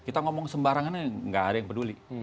kita ngomong sembarangan nggak ada yang peduli